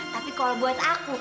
tapi kalau buat aku